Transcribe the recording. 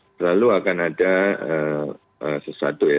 selalu akan ada sesuatu ya